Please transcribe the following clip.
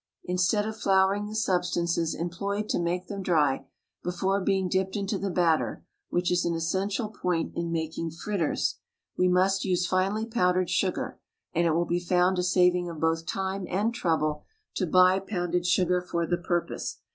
Instead of flouring the substances employed to make them dry, before being dipped into the batter, which is an essential point in making fritters, we must use finely powdered sugar, and it will be found a saving of both time and trouble to buy pounded sugar for the purpose.